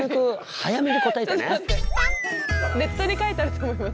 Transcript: ネットに書いてあると思います。